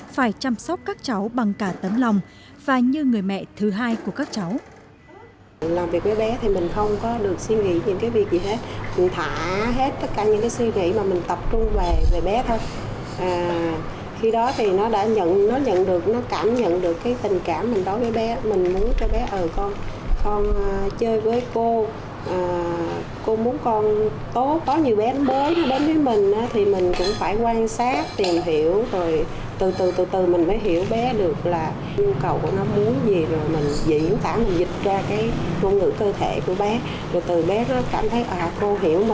phải chăm sóc các cháu bằng cả tấm lòng và như người mẹ thứ hai của các cháu